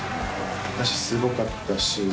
すごかったし。